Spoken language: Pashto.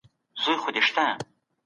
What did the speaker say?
نورستان د ځنګلونو وطن دی.